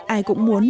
ai cũng muốn